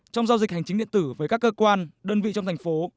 trong giao dịch hành chính điện tử với các cơ quan đơn vị trong thành phố